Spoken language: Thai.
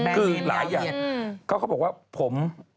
ก็หลายอย่างเขาบอกว่าผม